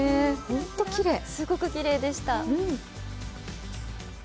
すごくきれいでした。